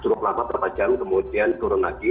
lumang luas cukup lama terpajang kemudian turun lagi